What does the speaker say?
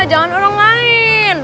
jangan orang lain